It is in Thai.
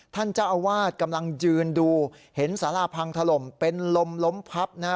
ท่านเจ้าอาวาสกำลังยืนดูเห็นสาราพังถล่มเป็นลมล้มพับนะฮะ